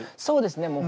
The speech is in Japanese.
そうですね